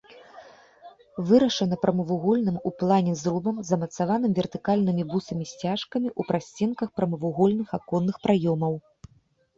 Вырашана прамавугольным у плане зрубам, замацаваным вертыкальнымі бусамі-сцяжкамі ў прасценках прамавугольных аконных праёмаў.